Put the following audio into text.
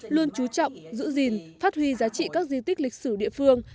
luôn chú trọng giữ gìn phát huy giá trị các di tích lịch sử địa phương